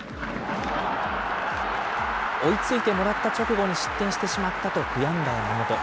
追いついてもらった直後に失点してしまったと、悔やんだ山本。